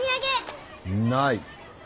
ない。